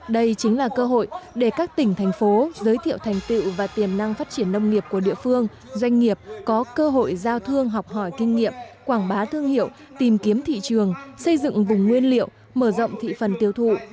đây chính là cơ hội để các tỉnh thành phố giới thiệu thành tựu và tiềm năng phát triển nông nghiệp của địa phương doanh nghiệp có cơ hội giao thương học hỏi kinh nghiệm quảng bá thương hiệu tìm kiếm thị trường xây dựng vùng nguyên liệu mở rộng thị phần tiêu thụ